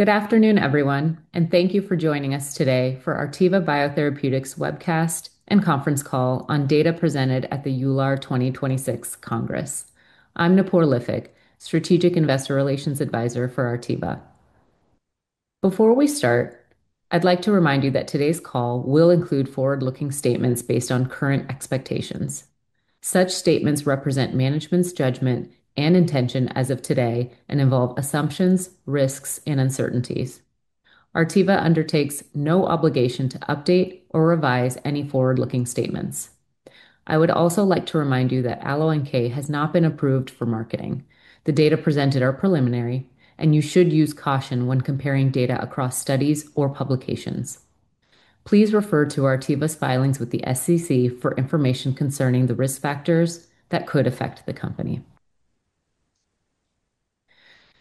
Good afternoon, everyone, thank you for joining us today for Artiva Biotherapeutics Webcast and Conference Call on data presented at the EULAR 2026 Congress. I'm Noopur Liffick, Strategic Investor Relations Advisor for Artiva. Before we start, I'd like to remind you that today's call will include forward-looking statements based on current expectations. Such statements represent management's judgment and intention as of today and involve assumptions, risks, and uncertainties. Artiva undertakes no obligation to update or revise any forward-looking statements. I would also like to remind you that AlloNK has not been approved for marketing. The data presented are preliminary, and you should use caution when comparing data across studies or publications. Please refer to Artiva's filings with the SEC for information concerning the risk factors that could affect the company.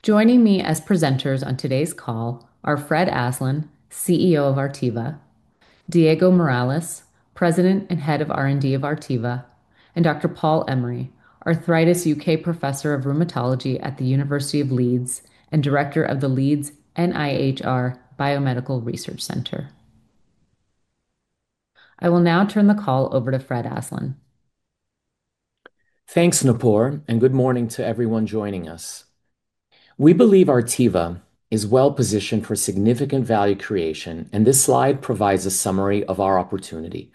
Joining me as presenters on today's call are Fred Aslan, CEO of Artiva, Diego Miralles, President and Head of R&D of Artiva, and Dr. Paul Emery, Arthritis UK Professor of Rheumatology at the University of Leeds and Director of the Leeds NIHR Biomedical Research Centre. I will now turn the call over to Fred Aslan. Thanks, Noopur, and good morning to everyone joining us. We believe Artiva is well-positioned for significant value creation, and this slide provides a summary of our opportunity.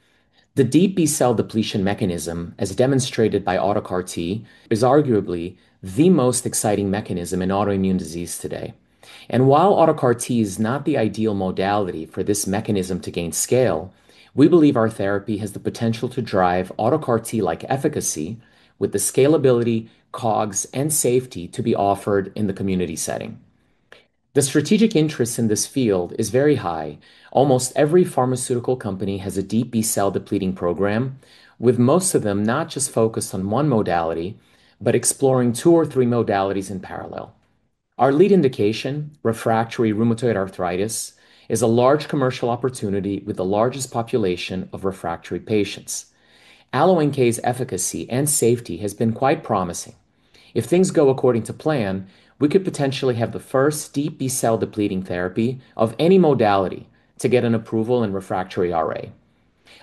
The deep B-cell depletion mechanism, as demonstrated by auto CAR-T, is arguably the most exciting mechanism in autoimmune disease today. While auto CAR-T is not the ideal modality for this mechanism to gain scale, we believe our therapy has the potential to drive auto CAR-T like efficacy with the scalability, COGS, and safety to be offered in the community setting. The strategic interest in this field is very high. Almost every pharmaceutical company has a deep B-cell depleting program, with most of them not just focused on one modality, but exploring two or three modalities in parallel. Our lead indication, refractory rheumatoid arthritis, is a large commercial opportunity with the largest population of refractory patients. AlloNK's efficacy and safety has been quite promising. If things go according to plan, we could potentially have the first deep B-cell depleting therapy of any modality to get an approval in refractory RA.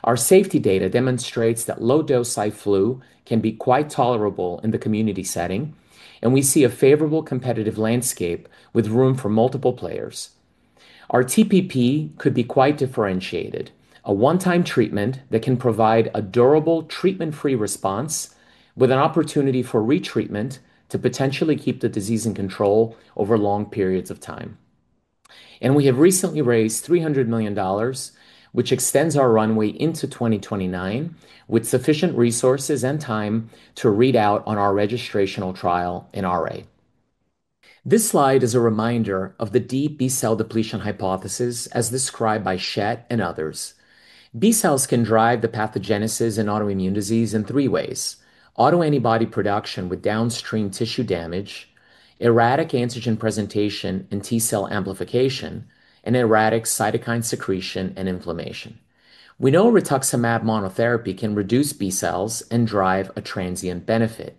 Our safety data demonstrates that low-dose Cy/Flu can be quite tolerable in the community setting, and we see a favorable competitive landscape with room for multiple players. Our TPP could be quite differentiated. A one-time treatment that can provide a durable treatment-free response with an opportunity for retreatment to potentially keep the disease in control over long periods of time. We have recently raised $300 million, which extends our runway into 2029, with sufficient resources and time to read out on our registrational trial in RA. This slide is a reminder of the deep B-cell depletion hypothesis, as described by Schett and others. B-cells can drive the pathogenesis in autoimmune disease in three ways: autoantibody production with downstream tissue damage, erratic antigen presentation and T-cell amplification, and erratic cytokine secretion and inflammation. We know rituximab monotherapy can reduce B-cells and drive a transient benefit.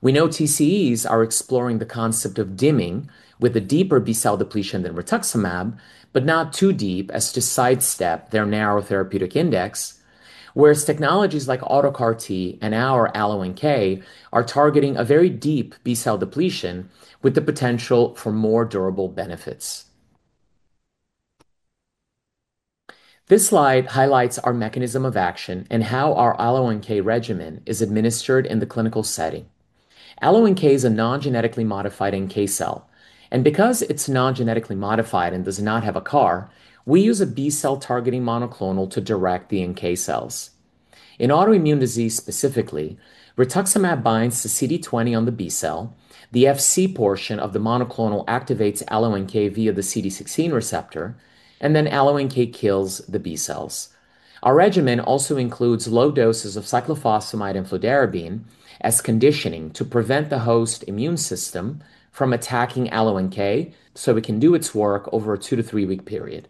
We know TCEs are exploring the concept of dimming with a deeper B-cell depletion than rituximab, but not too deep as to sidestep their narrow therapeutic index. Whereas technologies like auto CAR-T and our AlloNK are targeting a very deep B-cell depletion with the potential for more durable benefits. This slide highlights our mechanism of action and how our AlloNK regimen is administered in the clinical setting. AlloNK is a non-genetically modified NK cell, and because it's non-genetically modified and does not have a CAR, we use a B-cell targeting monoclonal to direct the NK cells. In autoimmune disease specifically, rituximab binds to CD20 on the B-cell, the Fc portion of the monoclonal activates AlloNK via the CD16 receptor, AlloNK kills the B-cells. Our regimen also includes low doses of cyclophosphamide and fludarabine as conditioning to prevent the host immune system from attacking AlloNK so it can do its work over a two to three-week period.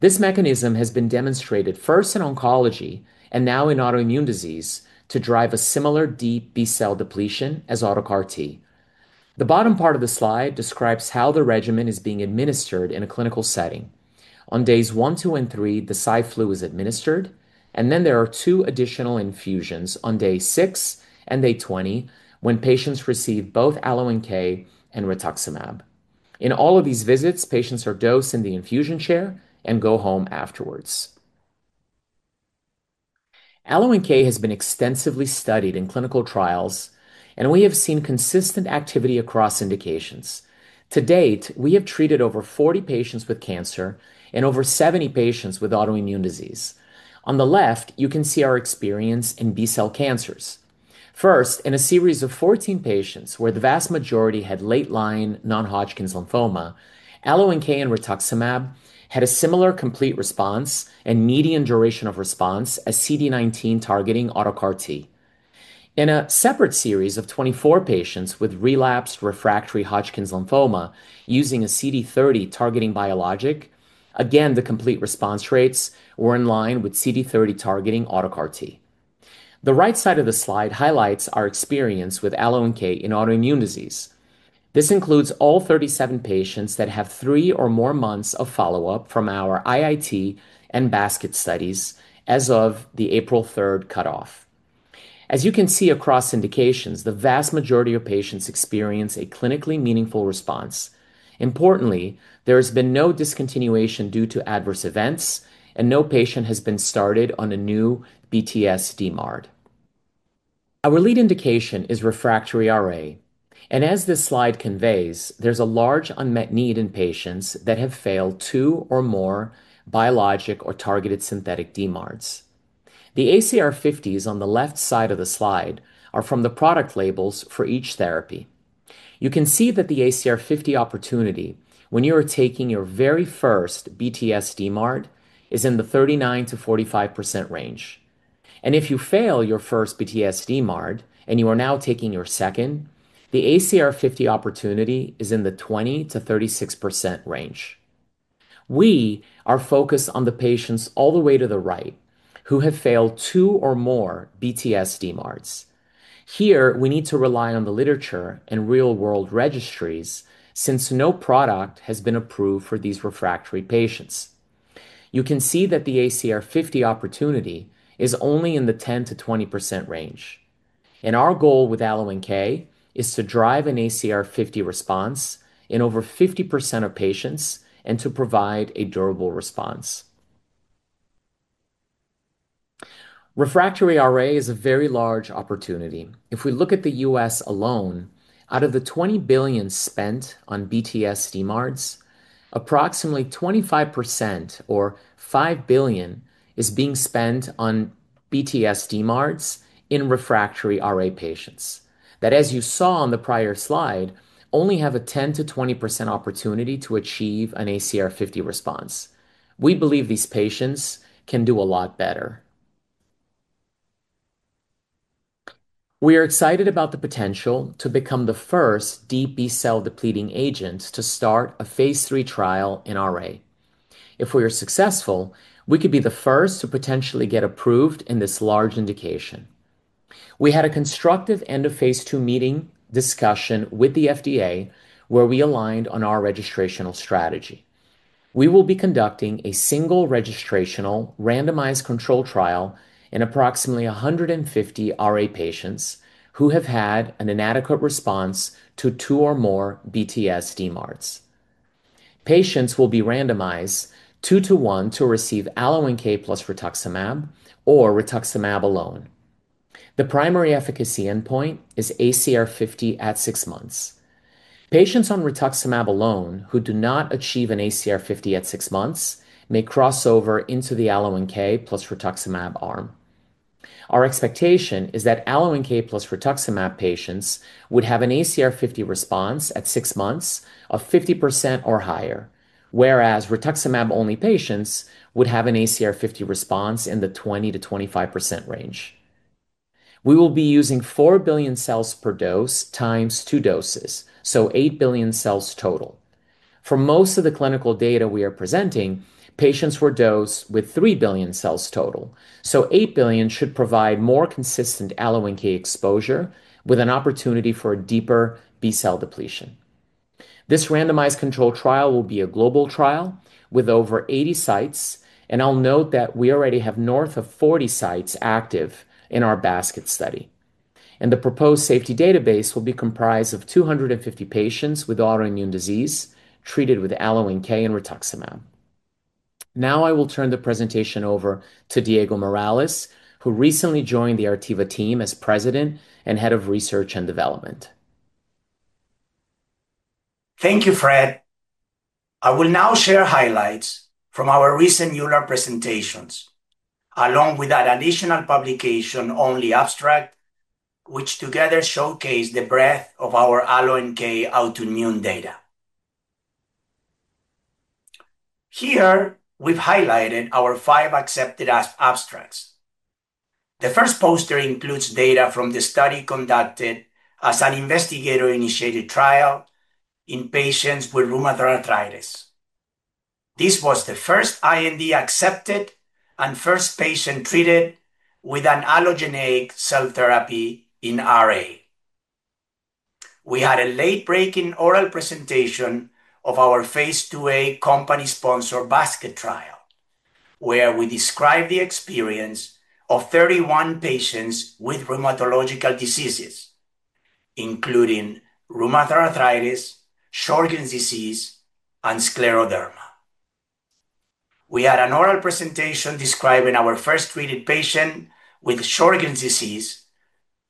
This mechanism has been demonstrated first in oncology and now in autoimmune disease to drive a similar deep B-cell depletion as auto CAR-T. The bottom part of the slide describes how the regimen is being administered in a clinical setting. On days one, two, and three, the Cy/Flu is administered, there are two additional infusions on day six and day 20 when patients receive both AlloNK and rituximab. In all of these visits, patients are dosed in the infusion chair and go home afterwards. AlloNK has been extensively studied in clinical trials, we have seen consistent activity across indications. To date, we have treated over 40 patients with cancer and over 70 patients with autoimmune disease. On the left, you can see our experience in B-cell cancers. First, in a series of 14 patients where the vast majority had late line non-Hodgkin's lymphoma, AlloNK and rituximab had a similar complete response and median duration of response as CD19 targeting auto CAR-T. In a separate series of 24 patients with relapsed refractory Hodgkin's lymphoma using a CD30 targeting biologic, again, the complete response rates were in line with CD30 targeting auto CAR-T. The right side of the slide highlights our experience with AlloNK in autoimmune disease. This includes all 37 patients that have three or more months of follow-up from our IIT and basket studies as of the April 3rd cutoff. As you can see across indications, the vast majority of patients experience a clinically meaningful response. Importantly, there has been no discontinuation due to adverse events, no patient has been started on a new b/tsDMARD. Our lead indication is refractory RA, as this slide conveys, there's a large unmet need in patients that have failed two or more biologic or targeted synthetic DMARDs. The ACR50s on the left side of the slide are from the product labels for each therapy. You can see that the ACR50 opportunity when you are taking your very first b/tsDMARD is in the 39%-45% range. If you fail your first b/tsDMARD and you are now taking your second, the ACR50 opportunity is in the 20%-36% range. We are focused on the patients all the way to the right who have failed two or more b/tsDMARDs. Here, we need to rely on the literature and real-world registries since no product has been approved for these refractory patients. You can see that the ACR50 opportunity is only in the 10%-20% range, and our goal with AlloNK is to drive an ACR50 response in over 50% of patients and to provide a durable response. Refractory RA is a very large opportunity. If we look at the U.S. alone, out of the $20 billion spent on b/tsDMARDs, approximately 25%, or $5 billion, is being spent on b/tsDMARDs in refractory RA patients that, as you saw on the prior slide, only have a 10%-20% opportunity to achieve an ACR50 response. We believe these patients can do a lot better. We are excited about the potential to become the first B-cell depleting agent to start a phase III trial in RA. If we are successful, we could be the first to potentially get approved in this large indication. We had a constructive end of phase II meeting discussion with the FDA where we aligned on our registrational strategy. We will be conducting a single registrational randomized control trial in approximately 150 RA patients who have had an inadequate response to two or more b/tsDMARDs. Patients will be randomized two to one to receive AlloNK + rituximab or rituximab alone. The primary efficacy endpoint is ACR50 at six months. Patients on rituximab alone who do not achieve an ACR50 at 6 months may cross over into the AlloNK + rituximab arm. Our expectation is that AlloNK + rituximab patients would have an ACR50 response at six months of 50% or higher, whereas rituximab-only patients would have an ACR50 response in the 20%-25% range. We will be using 4 billion cells per dose times two doses, so 8 billion cells total. For most of the clinical data we are presenting, patients were dosed with 3 billion cells total, so 8 billion should provide more consistent AlloNK exposure with an opportunity for deeper B-cell depletion. This randomized control trial will be a global trial with over 80 sites, and I'll note that we already have north of 40 sites active in our basket study. The proposed safety database will be comprised of 250 patients with autoimmune disease treated with AlloNK and rituximab. Now I will turn the presentation over to Diego Miralles, who recently joined the Artiva team as President and Head of Research and Development. Thank you, Fred. I will now share highlights from our recent EULAR presentations, along with an additional publication-only abstract, which together showcase the breadth of our AlloNK autoimmune data. Here, we've highlighted our five accepted abstracts. The first poster includes data from the study conducted as an investigator-initiated trial in patients with rheumatoid arthritis. This was the first IND accepted and first patient treated with an allogeneic cell therapy in RA. We had a late-breaking oral presentation of our phase II-A company-sponsored basket trial, where we describe the experience of 31 patients with rheumatological diseases, including rheumatoid arthritis, Sjögren's disease, and scleroderma. We had an oral presentation describing our first treated patient with Sjögren's disease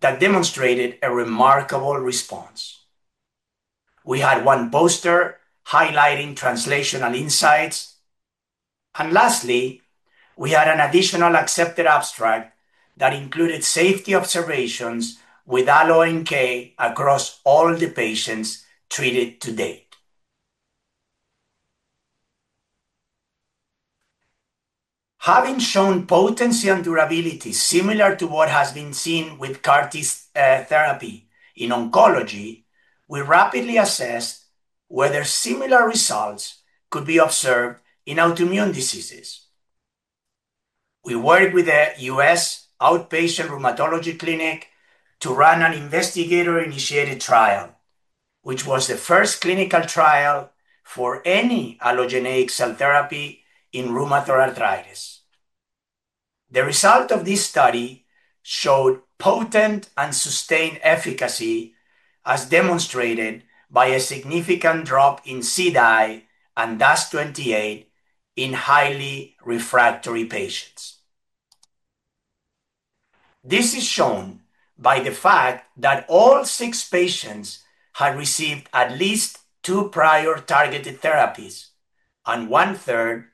that demonstrated a remarkable response. We had one poster highlighting translational insights. Lastly, we had an additional accepted abstract that included safety observations with AlloNK across all the patients treated to date. Having shown potency and durability similar to what has been seen with CAR-T cell therapy in oncology. We rapidly assessed whether similar results could be observed in autoimmune diseases. We worked with a U.S. outpatient rheumatology clinic to run an investigator-initiated trial, which was the first clinical trial for any allogeneic cell therapy in rheumatoid arthritis. The result of this study showed potent and sustained efficacy, as demonstrated by a significant drop in CDAI and DAS28 in highly refractory patients. This is shown by the fact that all six patients had received at least two prior targeted therapies, and 1/3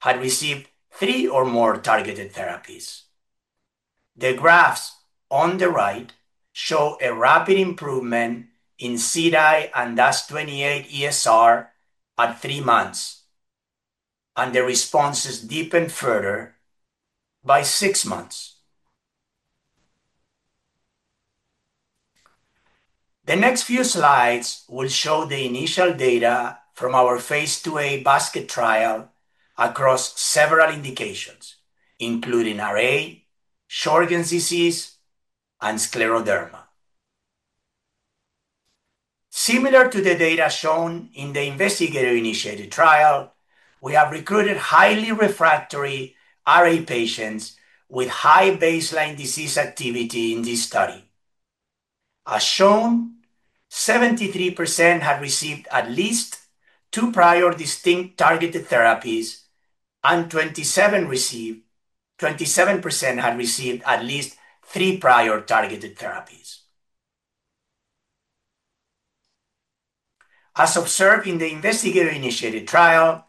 had received three or more targeted therapies. The graphs on the right show a rapid improvement in CDAI and DAS28-ESR at three months, and the responses deepened further by six months. The next few slides will show the initial data from our phase II-A basket trial across several indications, including RA, Sjögren's disease, and scleroderma. Similar to the data shown in the investigator-initiated trial, we have recruited highly refractory RA patients with high baseline disease activity in this study. As shown, 73% had received at least two prior distinct targeted therapies, and 27% had received at least three prior targeted therapies. As observed in the investigator-initiated trial,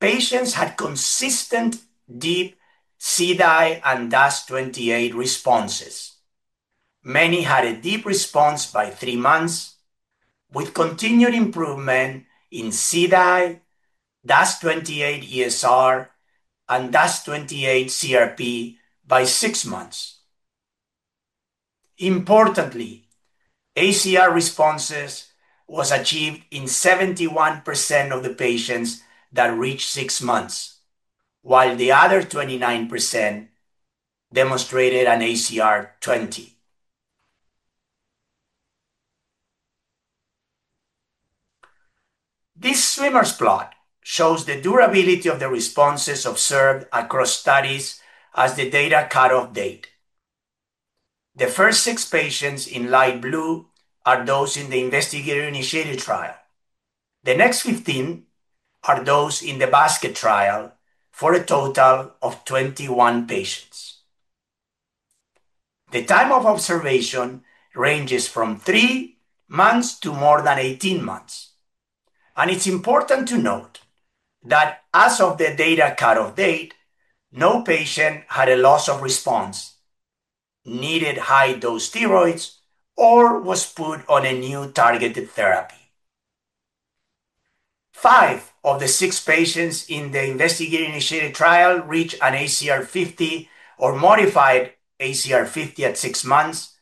patients had consistent deep CDAI and DAS28 responses. Many had a deep response by three months, with continued improvement in CDAI, DAS28-ESR, and DAS28-CRP by six months. Importantly, ACR responses was achieved in 71% of the patients that reached six months, while the other 29% demonstrated an ACR 20. This swimmers plot shows the durability of the responses observed across studies as the data cutoff date. The first six patients in light blue are those in the investigator-initiated trial. The next 15 are those in the basket trial, for a total of 21 patients. The time of observation ranges from three months to more than 18 months, and it's important to note that as of the data cutoff date, no patient had a loss of response, needed high-dose steroids, or was put on a new targeted therapy. Five of the six patients in the investigator-initiated trial reached an ACR50 or modified ACR50 at six months,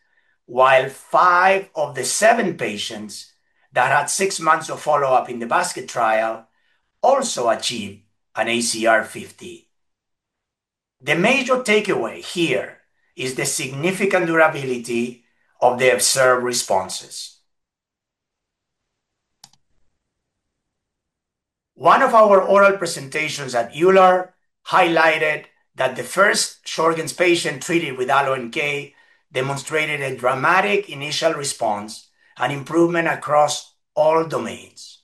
while five of the seven patients that had six months of follow-up in the basket trial also achieved an ACR50. The major takeaway here is the significant durability of the observed responses. One of our oral presentations at EULAR highlighted that the first Sjögren's patient treated with AlloNK demonstrated a dramatic initial response and improvement across all domains.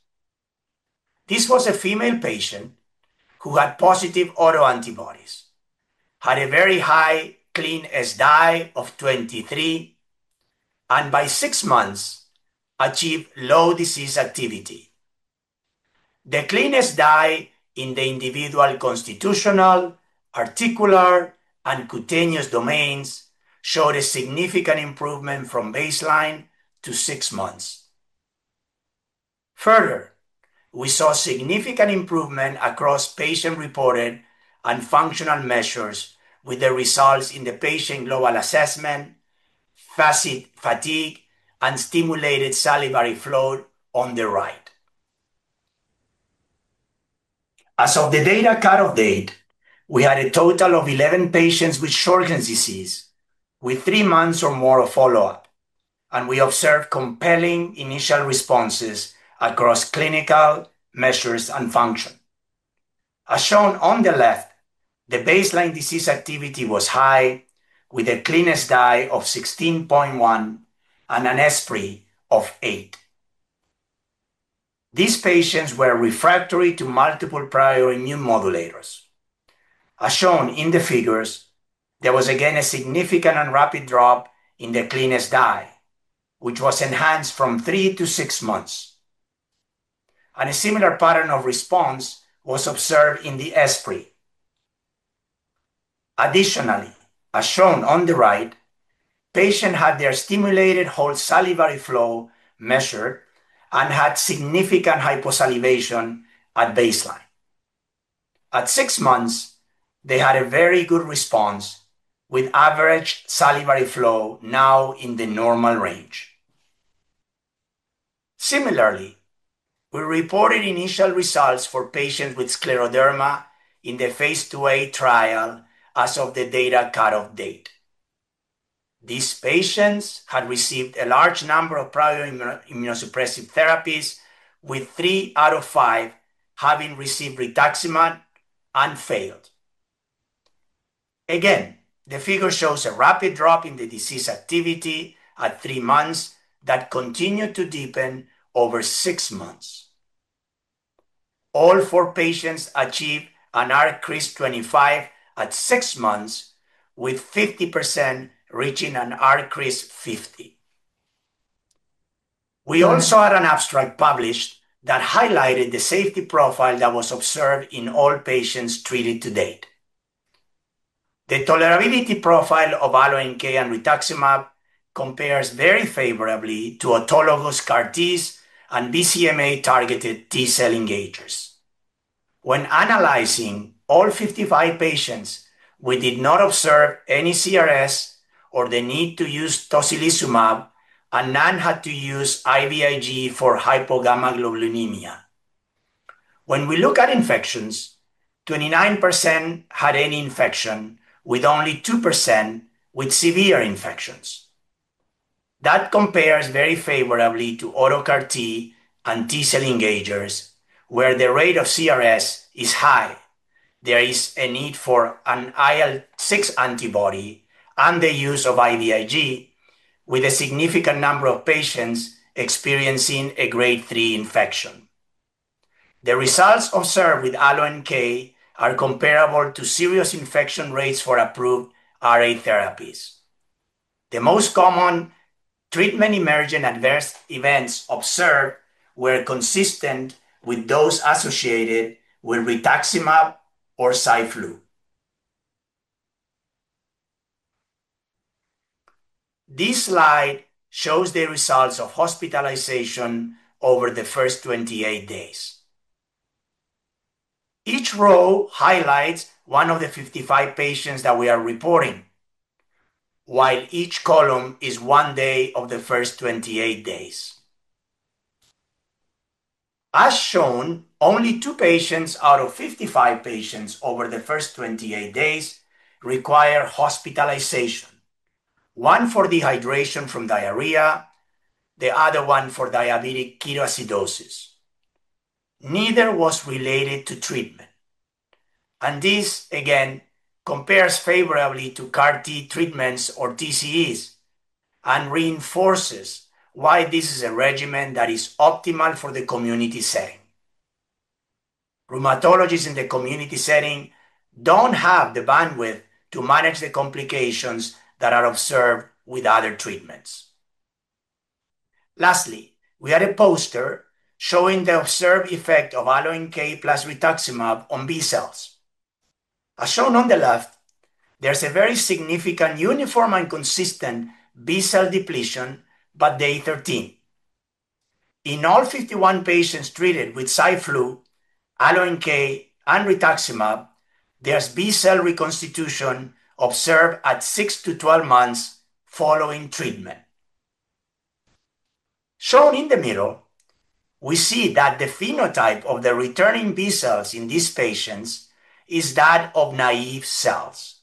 This was a female patient who had positive autoantibodies, had a very high ClinESSDAI of 23, and by six months, achieved low disease activity. The ClinESSDAI in the individual constitutional, articular, and cutaneous domains showed a significant improvement from baseline to six months. Further, we saw significant improvement across patient-reported and functional measures with the results in the patient global assessment, FACIT-Fatigue, and stimulated salivary flow on the right. As of the data cutoff date, we had a total of 11 patients with Sjögren's disease with three months or more of follow-up, and we observed compelling initial responses across clinical measures and function. As shown on the left, the baseline disease activity was high, with a ClinESSDAI of 16.1 and an ESSPRI of eight. These patients were refractory to multiple prior immune modulators. As shown in the figures, there was again a significant and rapid drop in the ClinESSDAI, which was enhanced from three to six months, and a similar pattern of response was observed in the ESSPRI. Additionally, as shown on the right, patient had their stimulated whole salivary flow measured and had significant hyposalivation at baseline. At six months, they had a very good response with average salivary flow now in the normal range. Similarly, we reported initial results for patients with scleroderma in the phase II-A trial as of the data cutoff date. These patients had received a large number of prior immunosuppressive therapies, with three out of five having received rituximab and failed. Again, the figure shows a rapid drop in the disease activity at three months that continued to deepen over six months. All four patients achieved an ACR 20 at six months, with 50% reaching an ACR50. We also had an abstract published that highlighted the safety profile that was observed in all patients treated to date. The tolerability profile of AlloNK and rituximab compares very favorably to autologous CAR-Ts and BCMA-targeted T-cell engagers. When analyzing all 55 patients, we did not observe any CRS or the need to use tocilizumab, and none had to use IVIG for hypogammaglobulinemia. When we look at infections, 29% had an infection with only 2% with severe infections. That compares very favorably to auto CAR-T and T-cell engagers, where the rate of CRS is high. There is a need for an IL-6 antibody and the use of IVIG, with a significant number of patients experiencing a Grade 3 infection. The results observed with AlloNK are comparable to serious infection rates for approved RA therapies. The most common treatment-emergent adverse events observed were consistent with those associated with rituximab or Cy/Flu. This slide shows the results of hospitalization over the first 28 days. Each row highlights one of the 55 patients that we are reporting, while each column is one day of the first 28 days. As shown, only two patients out of 55 patients over the first 28 days require hospitalization, one for dehydration from diarrhea, the other one for diabetic ketoacidosis. Neither was related to treatment. This, again, compares favorably to CAR-T treatments or TCEs and reinforces why this is a regimen that is optimal for the community setting. Rheumatologists in the community setting don't have the bandwidth to manage the complications that are observed with other treatments. Lastly, we had a poster showing the observed effect of AlloNK + rituximab on B cells. As shown on the left, there's a very significant uniform and consistent B-cell depletion by day 13. In all 51 patients treated with Cy/Flu, AlloNK, and rituximab, there is B-cell reconstitution observed at 6-12 months following treatment. Shown in the middle, we see that the phenotype of the returning B cells in these patients is that of naive cells.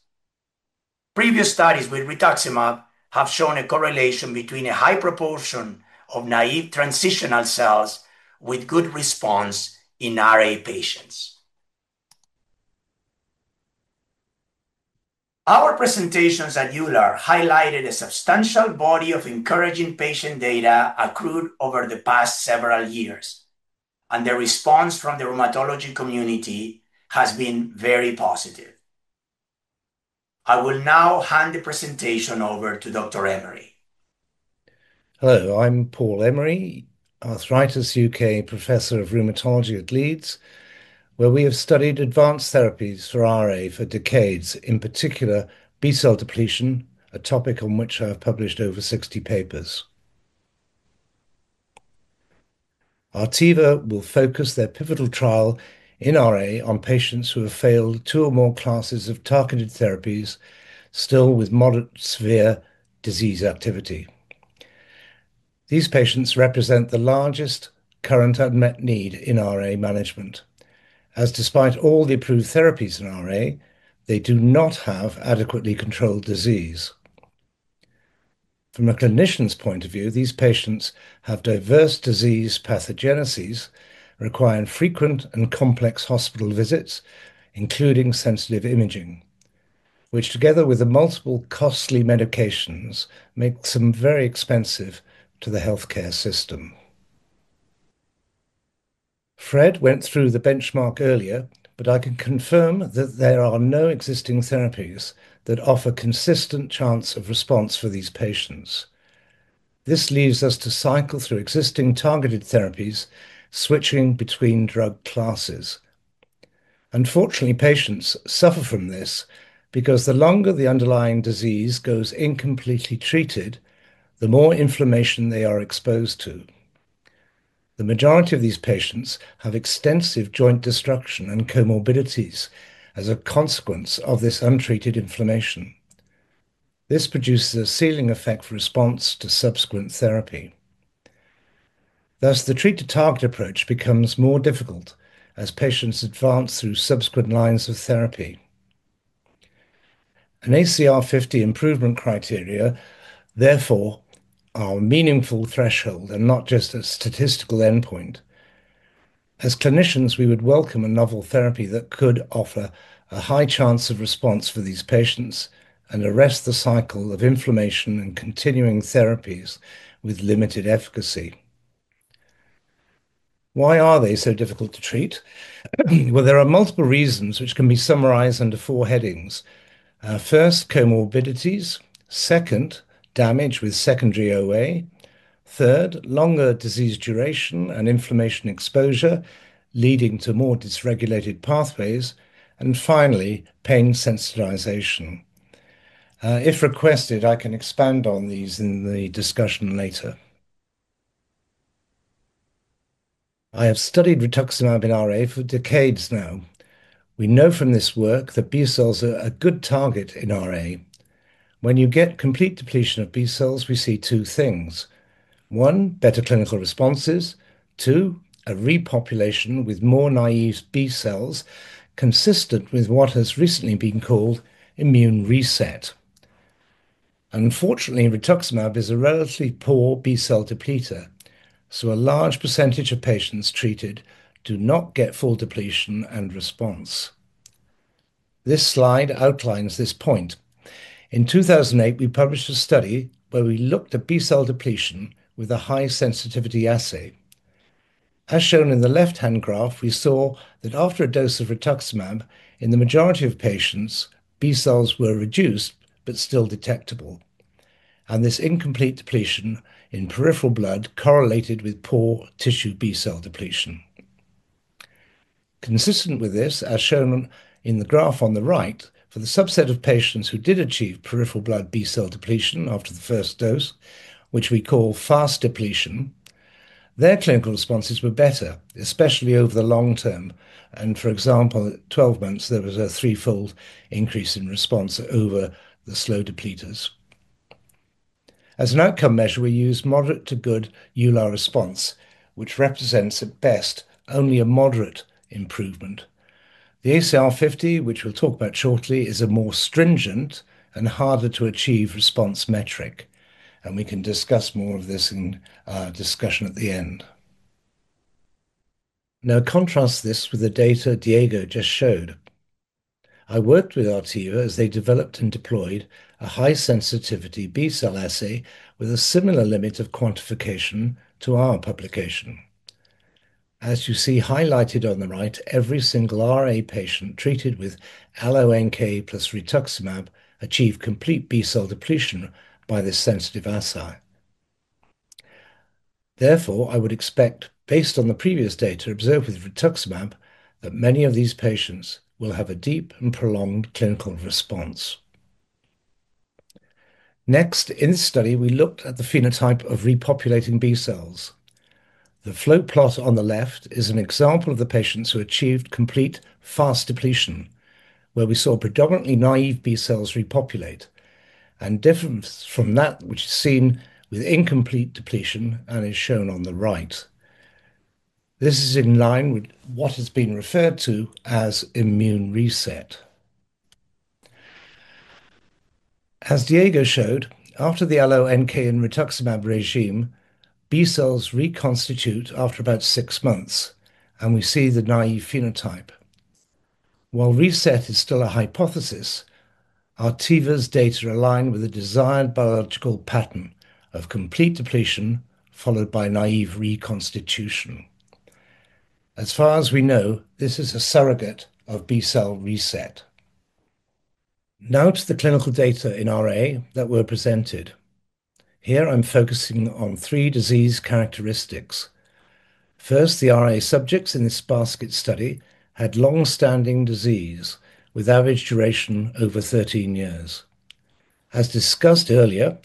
Previous studies with rituximab have shown a correlation between a high proportion of naive transitional cells with good response in RA patients. Our presentations at EULAR highlighted a substantial body of encouraging patient data accrued over the past several years, and the response from the rheumatology community has been very positive. I will now hand the presentation over to Dr. Emery. Hello, I'm Paul Emery, Arthritis UK Professor of Rheumatology at Leeds, where we have studied advanced therapies for RA for decades, in particular B-cell depletion, a topic on which I have published over 60 papers. Artiva will focus their pivotal trial in RA on patients who have failed two or more classes of targeted therapies, still with moderate to severe disease activity. These patients represent the largest current unmet need in RA management, as despite all the approved therapies in RA, they do not have adequately controlled disease. From a clinician's point of view, these patients have diverse disease pathogenesis, require frequent and complex hospital visits, including sensitive imaging, which together with the multiple costly medications, makes them very expensive to the healthcare system. Fred went through the benchmark earlier, but I can confirm that there are no existing therapies that offer consistent chance of response for these patients. This leaves us to cycle through existing targeted therapies, switching between drug classes. Unfortunately, patients suffer from this because the longer the underlying disease goes incompletely treated, the more inflammation they are exposed to. The majority of these patients have extensive joint destruction and comorbidities as a consequence of this untreated inflammation. This produces a ceiling effect response to subsequent therapy. Thus, the treat-to-target approach becomes more difficult as patients advance through subsequent lines of therapy. ACR50 improvement criteria, therefore, are a meaningful threshold and not just a statistical endpoint. As clinicians, we would welcome a novel therapy that could offer a high chance of response for these patients and arrest the cycle of inflammation and continuing therapies with limited efficacy. Why are they so difficult to treat? Well, there are multiple reasons which can be summarized under four headings. First, comorbidities. Second, damage with secondary OA. Third, longer disease duration and inflammation exposure leading to more dysregulated pathways. Finally, pain sensitization. If requested, I can expand on these in the discussion later. I have studied rituximab in RA for decades now. We know from this work that B cells are a good target in RA. When you get complete depletion of B cells, we see two things. One, better clinical responses. Two, a repopulation with more naive B cells consistent with what has recently been called immune reset. Unfortunately, rituximab is a relatively poor B-cell depleter, so a large percentage of patients treated do not get full depletion and response. This slide outlines this point. In 2008, we published a study where we looked at B-cell depletion with a high-sensitivity assay. As shown in the left-hand graph, we saw that after a dose of rituximab in the majority of patients, B cells were reduced but still detectable, and this incomplete depletion in peripheral blood correlated with poor tissue B-cell depletion. Consistent with this, as shown in the graph on the right, for the subset of patients who did achieve peripheral blood B-cell depletion after the first dose, which we call fast depletion, their clinical responses were better, especially over the long term. For example, at 12 months, there was a threefold increase in response over the slow depleters. As an outcome measure, we used moderate to good EULAR response, which represents at best only a moderate improvement. The ACR50, which we'll talk about shortly, is a more stringent and harder to achieve response metric, and we can discuss more of this in discussion at the end. Now contrast this with the data Diego just showed. I worked with Artiva as they developed and deployed a high-sensitivity B-cell assay with a similar limit of quantification to our publication. As you see highlighted on the right, every single RA patient treated with AlloNK + rituximab achieved complete B-cell depletion by this sensitive assay. Therefore, I would expect, based on the previous data observed with rituximab, that many of these patients will have a deep and prolonged clinical response. Next, in this study, we looked at the phenotype of repopulating B cells. The flow plot on the left is an example of the patients who achieved complete fast depletion, where we saw predominantly naive B cells repopulate, and different from that which is seen with incomplete depletion and is shown on the right. This is in line with what has been referred to as immune reset. As Diego showed, after the AlloNK and rituximab regime, B cells reconstitute after about six months, and we see the naive phenotype. While reset is still a hypothesis, Artiva's data align with the desired biological pattern of complete depletion followed by naive reconstitution. As far as we know, this is a surrogate of B-cell reset. Now to the clinical data in RA that were presented. Here, I'm focusing on three disease characteristics. First, the RA subjects in this basket study had long-standing disease with average duration over 13 years. As discussed earlier,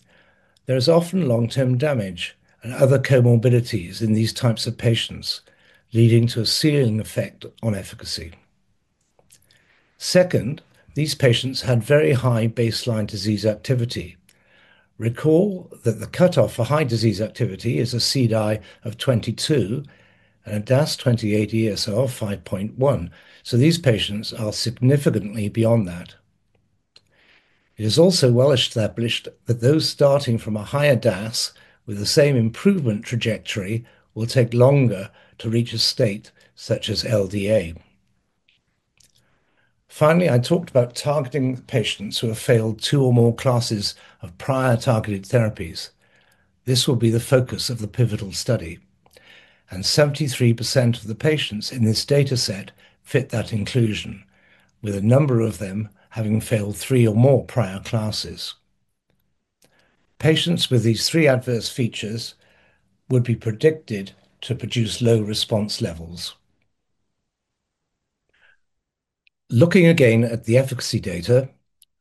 there is often long-term damage and other comorbidities in these types of patients, leading to a ceiling effect on efficacy. Second, these patients had very high baseline disease activity. Recall that the cutoff for high disease activity is a CDAI of 22 and a DAS28-ESR of 5.1. These patients are significantly beyond that. It is also well-established that those starting from a higher DAS with the same improvement trajectory will take longer to reach a state such as LDA. Finally, I talked about targeting patients who have failed two or more classes of prior targeted therapies. This will be the focus of the pivotal study. 73% of the patients in this dataset fit that inclusion, with a number of them having failed three or more prior classes. Patients with these three adverse features would be predicted to produce low response levels. Looking again at the efficacy data,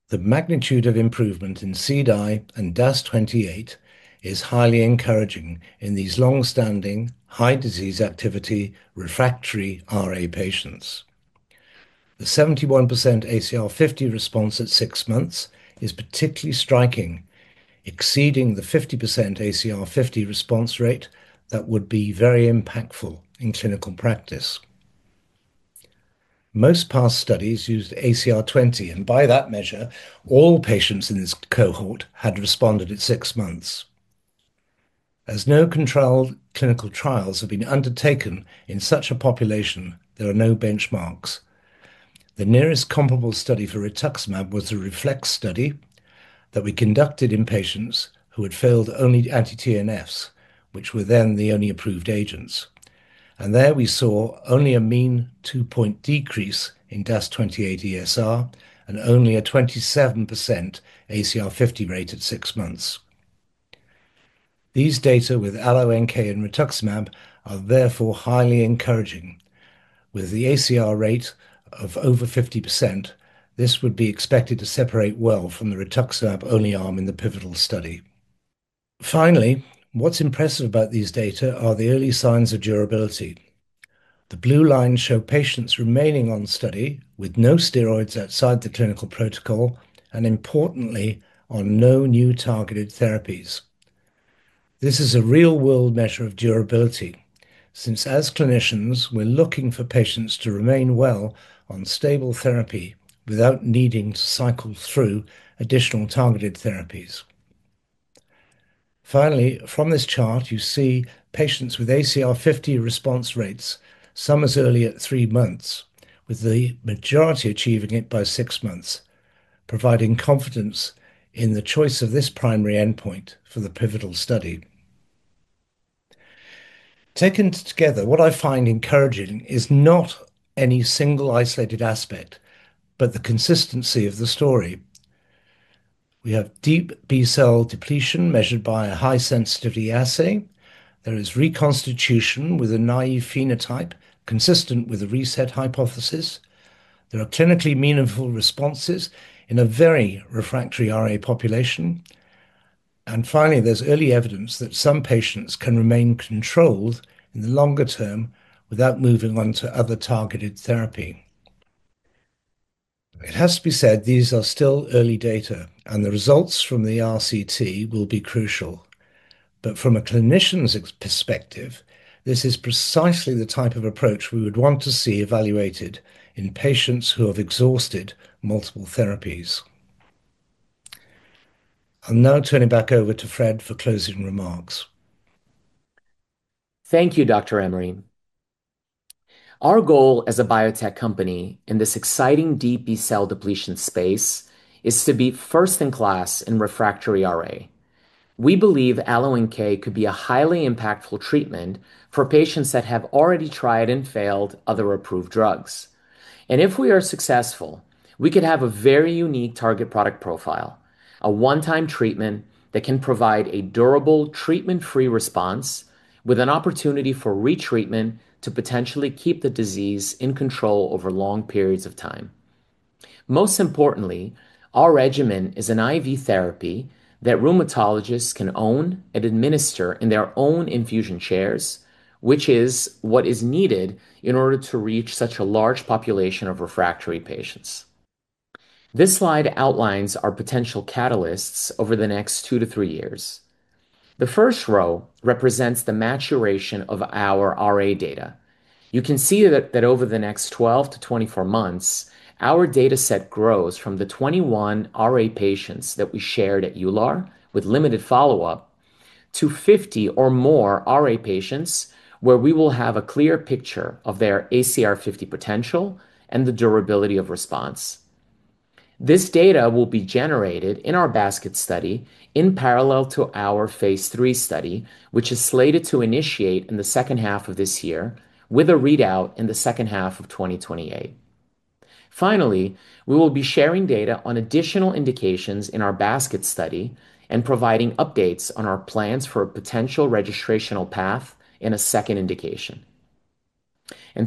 the magnitude of improvement in CDAI and DAS28 is highly encouraging in these long-standing, high disease activity, refractory RA patients. The 71% ACR50 response at six months is particularly striking, exceeding the 50% ACR50 response rate that would be very impactful in clinical practice. Most past studies used ACR 20, and by that measure, all patients in this cohort had responded at six months. As no controlled clinical trials have been undertaken in such a population, there are no benchmarks. The nearest comparable study for rituximab was the REFLEX study that we conducted in patients who had failed only anti-TNF, which were then the only approved agents. There we saw only a mean 2-point decrease in DAS28-ESR and only a 27% ACR50 rate at six months. These data with AlloNK and rituximab are therefore highly encouraging. With the ACR rate of over 50%, this would be expected to separate well from the rituximab-only arm in the pivotal study. Finally, what's impressive about these data are the early signs of durability. The blue lines show patients remaining on study with no steroids outside the clinical protocol, and importantly, on no new targeted therapies. This is a real-world measure of durability, since as clinicians, we're looking for patients to remain well on stable therapy without needing to cycle through additional targeted therapies. Finally, from this chart, you see patients with ACR50 response rates, some as early as three months, with the majority achieving it by six months, providing confidence in the choice of this primary endpoint for the pivotal study. Taken together, what I find encouraging is not any single isolated aspect, but the consistency of the story. We have deep B-cell depletion measured by a high-sensitivity assay. There is reconstitution with a naive phenotype consistent with the reset hypothesis. There are clinically meaningful responses in a very refractory RA population. Finally, there's early evidence that some patients can remain controlled in the longer term without moving on to other targeted therapy. It has to be said these are still early data, and the results from the RCT will be crucial. From a clinician's perspective, this is precisely the type of approach we would want to see evaluated in patients who have exhausted multiple therapies. I'll now turn it back over to Fred for closing remarks. Thank you, Dr. Emery. Our goal as a biotech company in this exciting deep B-cell depletion space is to be first in class in refractory RA. We believe AlloNK could be a highly impactful treatment for patients that have already tried and failed other approved drugs. If we are successful, we could have a very unique target product profile, a one-time treatment that can provide a durable treatment-free response with an opportunity for retreatment to potentially keep the disease in control over long periods of time. Most importantly, our regimen is an IV therapy that rheumatologists can own and administer in their own infusion chairs, which is what is needed in order to reach such a large population of refractory patients. This slide outlines our potential catalysts over the next two-three years. The first row represents the maturation of our RA data. You can see that over the next 12-24 months, our data set grows from the 21 RA patients that we shared at EULAR with limited follow-up to 50 or more RA patients where we will have a clear picture of their ACR50 potential and the durability of response. This data will be generated in our basket study in parallel to our phase III study, which is slated to initiate in the second half of this year with a readout in the second half of 2028. Finally, we will be sharing data on additional indications in our basket study and providing updates on our plans for a potential registrational path in a second indication.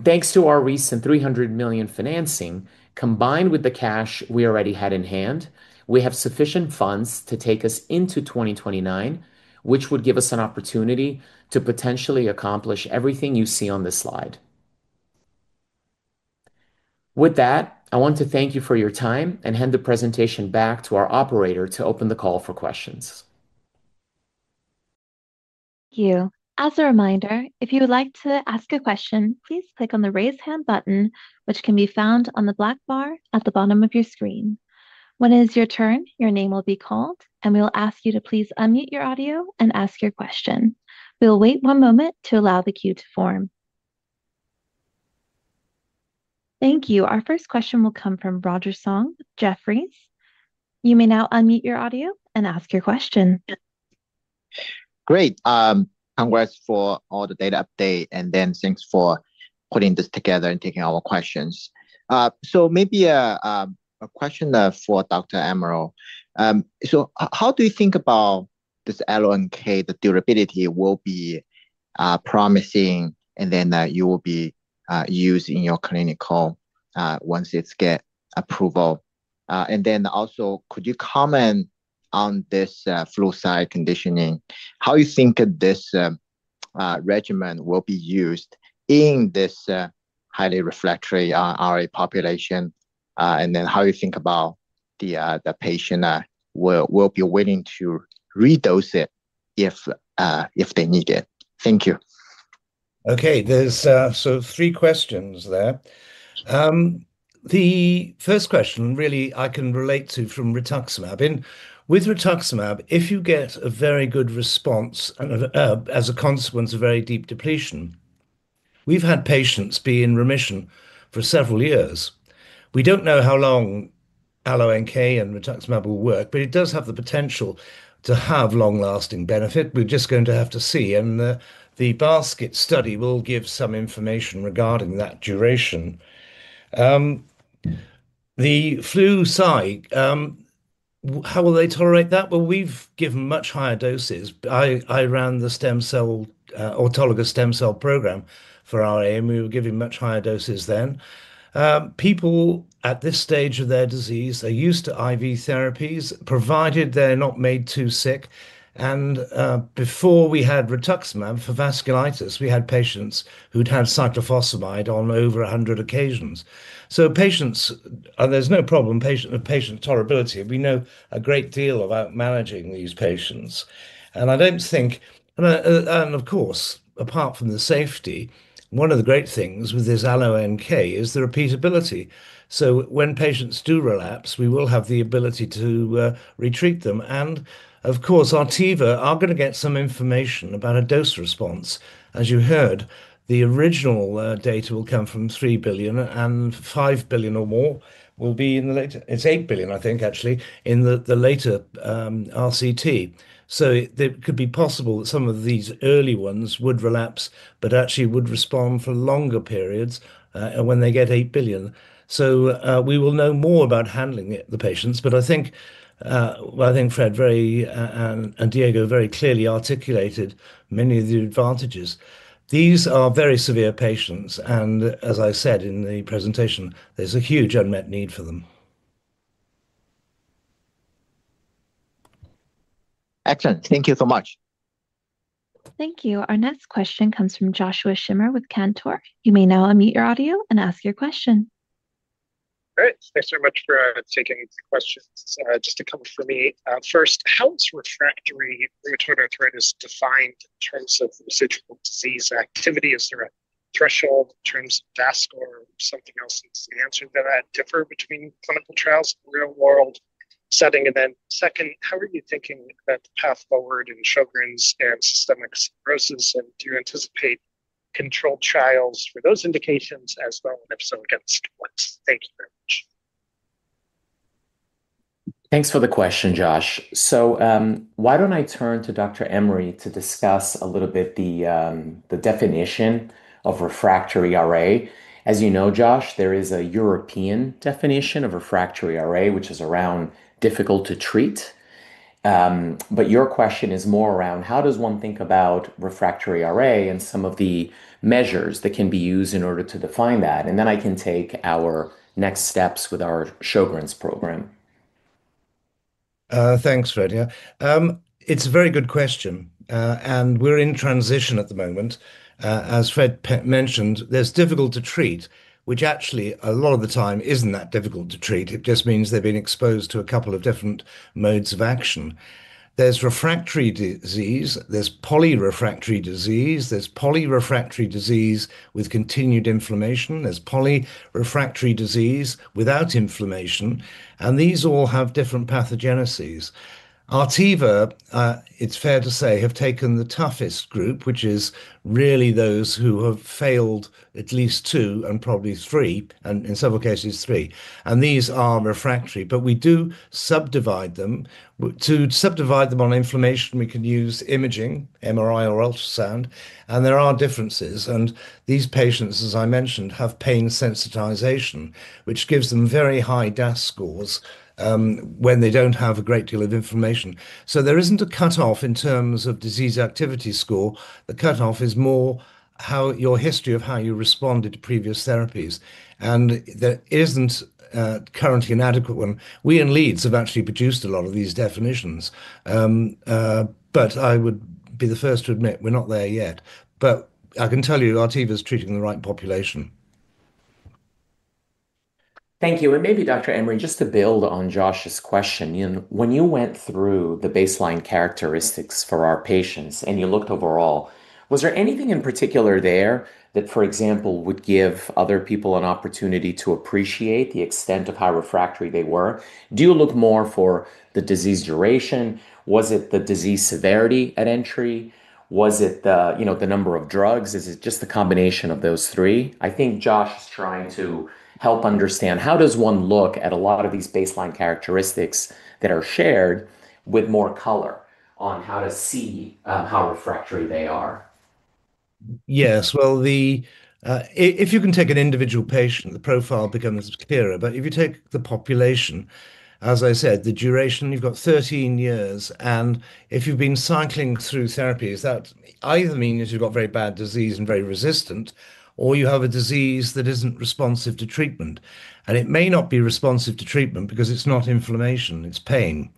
Thanks to our recent $300 million financing, combined with the cash we already had in hand, we have sufficient funds to take us into 2029, which would give us an opportunity to potentially accomplish everything you see on this slide. With that, I want to thank you for your time and hand the presentation back to our operator to open the call for questions. Thank you. As a reminder, if you would like to ask a question, please click on the raise hand button, which can be found on the black bar at the bottom of your screen. When it is your turn, your name will be called, and we will ask you to please unmute your audio and ask your question. We will wait one moment to allow the queue to form. Thank you. Our first question will come from Roger Song, Jefferies. You may now unmute your audio and ask your question. Great. Congrats for all the data update, thanks for putting this together and taking our questions. Maybe a question for Dr. Emery. How do you think about this AlloNK, the durability will be promising, that you will be using your clinical once it gets approval. Also, could you comment on this Flu/Cy conditioning, how you think this regimen will be used in this highly refractory RA population? How you think about the patient will be willing to redose it if they need it. Thank you. Okay. There's three questions there. The first question, really, I can relate to from rituximab. With rituximab, if you get a very good response as a consequence of very deep depletion, we've had patients be in remission for several years. We don't know how long AlloNK and rituximab will work, but it does have the potential to have long-lasting benefit. We're just going to have to see, and the basket study will give some information regarding that duration. The Flu/Cy, how will they tolerate that? Well, we've given much higher doses. I ran the autologous stem cell program for RA. We were giving much higher doses then. People at this stage of their disease, they're used to IV therapies, provided they're not made too sick. Before we had rituximab for vasculitis, we had patients who'd had cyclophosphamide on over 100 occasions. Patients, there's no problem, patient tolerability. We know a great deal about managing these patients. Of course, apart from the safety, one of the great things with this AlloNK is the repeatability. When patients do relapse, we will have the ability to retreat them. Of course, Artiva are going to get some information about a dose response. As you heard, the original data will come from 3 billion, and 5 billion or more will be in the later. It's 8 billion, I think, actually, in the later RCT. It could be possible that some of these early ones would relapse, but actually would respond for longer periods when they get 8 billion. We will know more about handling the patients. I think Fred and Diego very clearly articulated many of the advantages. These are very severe patients. As I said in the presentation, there's a huge unmet need for them. Excellent. Thank you so much. Thank you. Our next question comes from Joshua Schimmer with Cantor. You may now unmute your audio and ask your question. Great. Thanks very much for taking the questions. Just a couple from me. First, how is refractory rheumatoid arthritis defined in terms of residual disease activity? Is there a threshold in terms of DAS or something else that's the answer to that differ between clinical trials and real-world setting? Second, how are you thinking about the path forward in Sjögren's and systemic sclerosis, and do you anticipate controlled trials for those indications as well if so against what? Thank you very much. Thanks for the question, Josh. Why don't I turn to Dr. Emery to discuss a little bit the definition of refractory RA. As you know, Josh, there is a European definition of refractory RA, which is around difficult to treat. Your question is more around how does one think about refractory RA and some of the measures that can be used in order to define that. I can take our next steps with our Sjögren's program. Thanks, Fred. It's a very good question. We're in transition at the moment. As Fred mentioned, there's difficult to treat, which actually a lot of the time isn't that difficult to treat. It just means they've been exposed to a couple of different modes of action. There's refractory disease, there's polyrefractory disease, there's polyrefractory disease with continued inflammation, there's polyrefractory disease without inflammation, these all have different pathogenesis. Artiva, it's fair to say, have taken the toughest group, which is really those who have failed at least two and probably three, and in several cases, three. These are refractory. We do subdivide them. To subdivide them on inflammation, we can use imaging, MRI or ultrasound, and there are differences. These patients, as I mentioned, have pain sensitization, which gives them very high DAS scores when they don't have a great deal of inflammation. There isn't a cutoff in terms of disease activity score. The cutoff is more your history of how you responded to previous therapies. There isn't currently an adequate one. We in Leeds have actually produced a lot of these definitions. I would be the first to admit we're not there yet. I can tell you Artiva is treating the right population. Thank you. Maybe Dr. Emery, just to build on Josh's question, when you went through the baseline characteristics for our patients and you looked overall, was there anything in particular there that, for example, would give other people an opportunity to appreciate the extent of how refractory they were? Do you look more for the disease duration? Was it the disease severity at entry? Was it the number of drugs? Is it just the combination of those three? I think Josh is trying to help understand how does one look at a lot of these baseline characteristics that are shared with more color on how to see how refractory they are. Yes. If you can take an individual patient, the profile becomes clearer. If you take the population, as I said, the duration, you've got 13 years, if you've been cycling through therapies, that either means you've got very bad disease and very resistant, or you have a disease that isn't responsive to treatment. It may not be responsive to treatment because it's not inflammation, it's pain.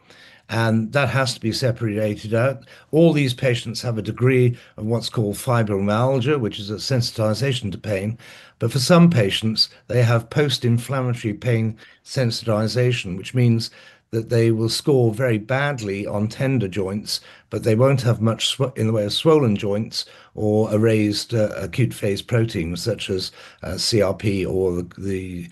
That has to be separated out. All these patients have a degree of what's called fibromyalgia, which is a sensitization to pain. For some patients, they have post-inflammatory pain sensitization, which means that they will score very badly on tender joints, but they won't have much in the way of swollen joints or a raised acute phase protein, such as CRP or the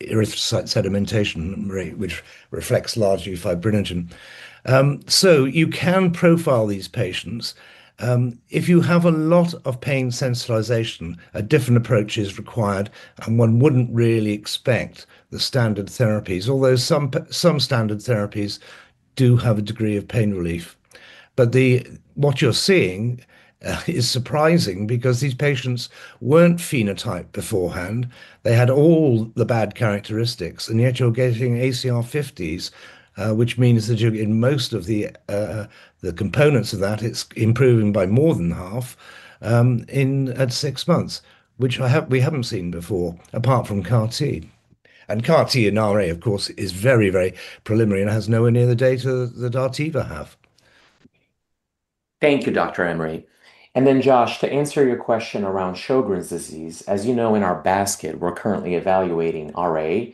erythrocyte sedimentation rate, which reflects largely fibrinogen. You can profile these patients. If you have a lot of pain sensitization, a different approach is required, one wouldn't really expect the standard therapies, although some standard therapies do have a degree of pain relief. What you're seeing is surprising because these patients weren't phenotyped beforehand. They had all the bad characteristics, yet you're getting ACR50s, which means that you're getting most of the components of that. It's improving by more than half at six months, which we haven't seen before, apart from CAR-T. CAR-T in RA, of course, is very, very preliminary and has nowhere near the data that Artiva have. Thank you, Dr. Emery. Josh, to answer your question around Sjögren's disease, as you know, in our basket, we're currently evaluating RA,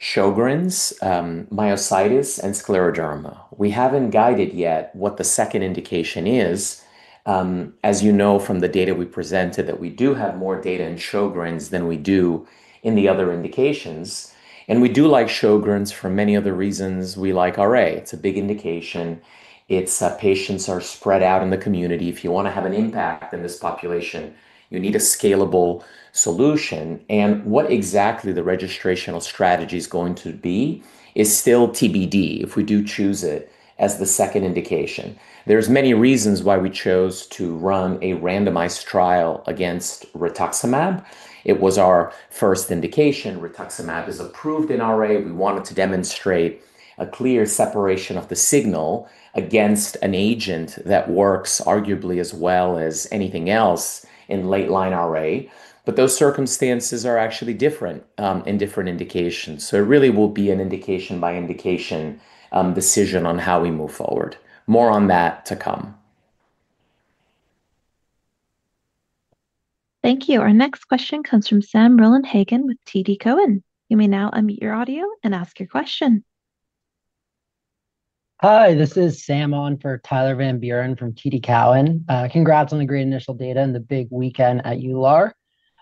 Sjögren's, myositis, and scleroderma. We haven't guided yet what the second indication is. As you know from the data we presented, that we do have more data in Sjögren's than we do in the other indications. We do like Sjögren's for many of the reasons we like RA. It's a big indication. Its patients are spread out in the community. If you want to have an impact in this population, you need a scalable solution. What exactly the registrational strategy's going to be is still TBD if we do choose it as the second indication. There's many reasons why we chose to run a randomized trial against rituximab. It was our first indication. Rituximab is approved in RA. We wanted to demonstrate a clear separation of the signal against an agent that works arguably as well as anything else in late-line RA. Those circumstances are actually different in different indications, it really will be an indication by indication decision on how we move forward. More on that to come. Thank you. Our next question comes from Sam Rollenhagen with TD Cowen. You may now unmute your audio and ask your question. Hi, this is Sam on for Tyler Van Buren from TD Cowen. Congrats on the great initial data and the big weekend at EULAR.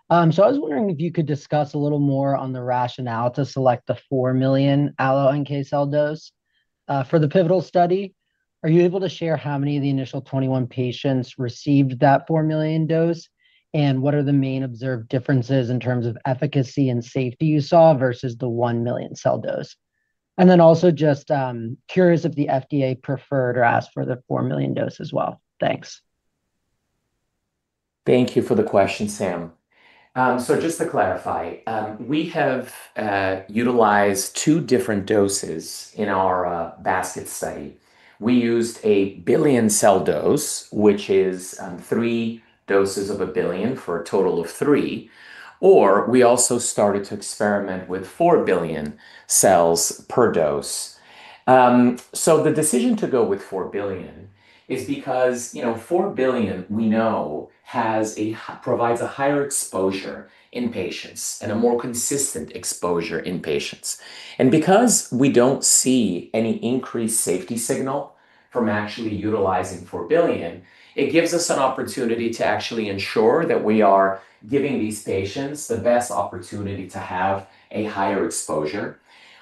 I was wondering if you could discuss a little more on the rationale to select the 4 billion AlloNK cell dose. For the pivotal study, are you able to share how many of the initial 21 patients received that 4 billion dose? What are the main observed differences in terms of efficacy and safety you saw versus the 1 billion cell dose? Also just curious if the FDA preferred or asked for the 4 billion dose as well. Thanks. Thank you for the question, Sam. Just to clarify, we have utilized two different doses in our basket study. We used a 1 billion cell dose, which is three doses of 1 billion for a total of 3 billion, or we also started to experiment with 4 billion cells per dose. The decision to go with 4 billion is because 4 billion, we know, provides a higher exposure in patients and a more consistent exposure in patients. Because we don't see any increased safety signal from actually utilizing 4 billion, it gives us an opportunity to actually ensure that we are giving these patients the best opportunity to have a higher exposure.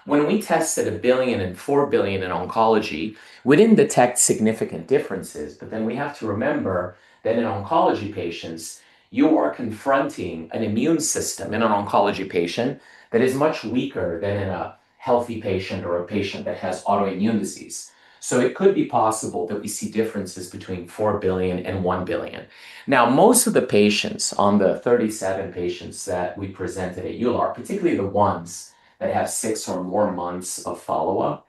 When we tested 1 billion and 4 billion in oncology, we didn't detect significant differences. We have to remember that in oncology patients, you are confronting an immune system in an oncology patient that is much weaker than in a healthy patient or a patient that has autoimmune disease. It could be possible that we see differences between 4 billion and 1 billion. Most of the patients on the 37 patients that we presented at EULAR, particularly the ones that have six or more months of follow-up,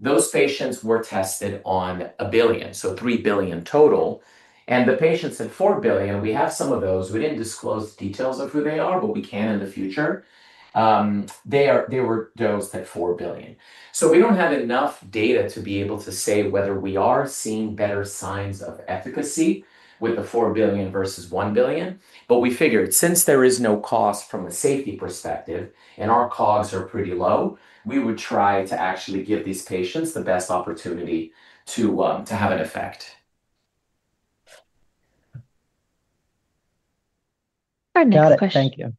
those patients were tested on 1 billion, so 3 billion total. The patients at 4 billion, we have some of those. We didn't disclose details of who they are, but we can in the future. They were dosed at 4 billion. We don't have enough data to be able to say whether we are seeing better signs of efficacy with the 4 billion versus 1 billion. We figured since there is no cost from a safety perspective and our costs are pretty low, we would try to actually give these patients the best opportunity to have an effect. Got it. Thank you.